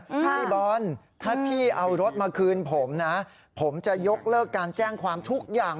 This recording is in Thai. พี่บอลถ้าพี่เอารถมาคืนผมนะผมจะยกเลิกการแจ้งความทุกอย่าง